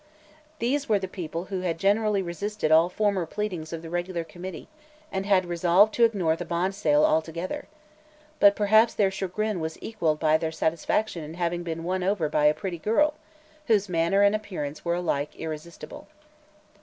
These were the people who had generally resisted all former pleadings of the regular committee and had resolved to ignore the bond sale altogether. But perhaps their chagrin was equalled by their satisfaction in having been won over by a pretty girl, whose manner and appearance were alike irresistible.